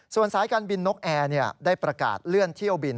ส่วนสายการบินนกแอร์ได้ประกาศเลื่อนเที่ยวบิน